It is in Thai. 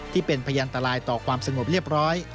ที่เป็นพยันตรายต่อความสงบเรียบร้อย